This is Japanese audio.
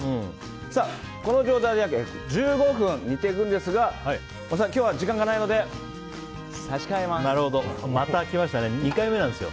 この状態で１５分煮ていくんですが今日時間がないので差し替えます。